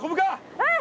うん。